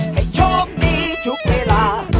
ให้โชคดีทุกเวลา